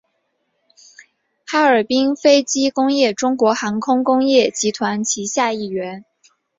哈尔滨飞机工业中国航空工业集团旗下一员。